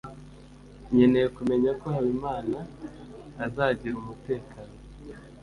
nkeneye kumenya ko habimana azagira umutekano